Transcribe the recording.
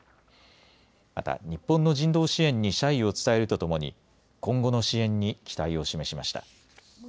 また、日本の人道支援に謝意を伝えるとともに今後の支援に期待を示しました。